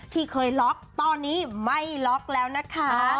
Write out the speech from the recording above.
ที่เคยล็อกตอนนี้ไม่ล็อกแล้วนะคะ